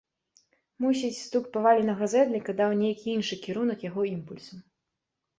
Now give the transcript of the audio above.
Мусіць, стук паваленага зэдліка даў нейкі іншы кірунак яго імпульсам.